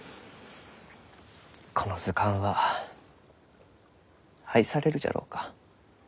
この図鑑は愛されるじゃろうか？